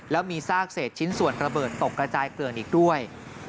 แล้วมีซากเศษชิ้นส่วนระเบิดตกกระจายเกลื่อนอีกด้วย